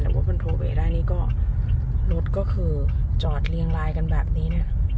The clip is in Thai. แต่ว่ามันโทรไปได้นี่ก็รถก็คือจอดเรียงลายกันแบบนี้เนี่ย